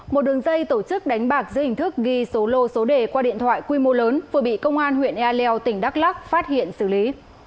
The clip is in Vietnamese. một đường dây tổ chức đánh bạc dưới hình thức ghi số lô số đề qua điện thoại quy mô lớn vừa bị công an huyện ea leo tỉnh đắk lắc phát hiện xử lý